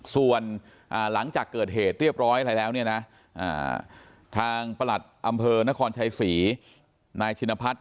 ส่วนหลังจากเกิดเหตุเรียบร้อยอะไรแล้วเนี่ยนะทางประหลัดอำเภอนครชัยศรีนายชินพัฒน์